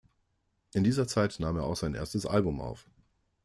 In dieser Zeit nahm er auch sein erstes Album auf.